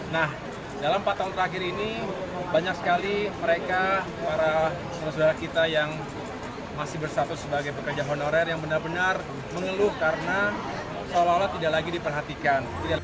nah dalam empat tahun terakhir ini banyak sekali mereka para saudara saudara kita yang masih bersatu sebagai pekerja honorer yang benar benar mengeluh karena seolah olah tidak lagi diperhatikan